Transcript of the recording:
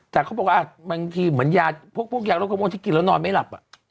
แต่เขาบอกว่าบางทีเหมือนยาพวกยาโรคมะม่วงที่กินแล้วนอนไม่หลับ